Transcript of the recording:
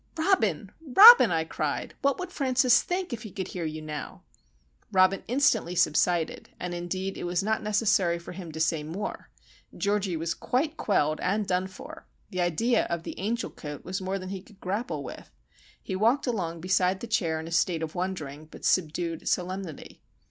"Robin! Robin!" I cried. "What would Francis think if he could hear you now?" Robin instantly subsided; and, indeed, it was not necessary for him to say more. Georgie was quite quelled and done for. The idea of the Angel coat was more than he could grapple with. He walked along beside the chair in a state of wondering, but subdued, solemnity.